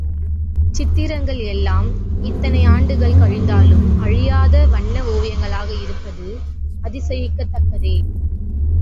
சித்திரங்கள் எல்லாம் இத்தனை ஆண்டுகள் கழிந்தாலும் அழியாத வண்ண ஓவியங்களாக இருப்பது அதிசயிக்கத்தக்கதே.